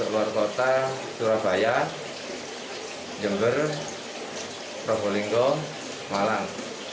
luar kota surabaya jember probolinggo malang